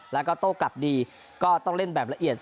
แล้วก็โต้กลับดีก็ต้องเล่นแบบละเอียด